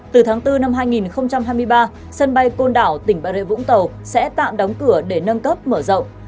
từ tháng bốn năm hai nghìn hai mươi ba sân bay côn đảo tỉnh bà rịa vũng tàu sẽ tạm đóng cửa để nâng cấp mở rộng